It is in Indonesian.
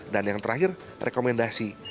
dan yang terakhir rekomendasi